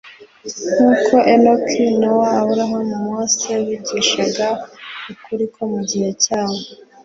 Nk'uko Enoki, Nowa, Aburahamu, Mose, bigishaga ukuri ko mu gihe cyabo,